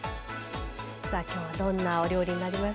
今日はどんなお料理になりますか。